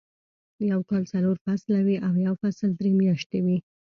يو کال څلور فصله وي او يو فصل درې میاشتې وي.